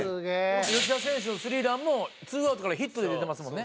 吉田選手の３ランも２アウトからヒットで出てますもんね。